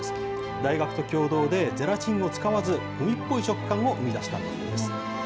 大学と共同で、ゼラチンを使わず、グミっぽい食感を生み出したそうです。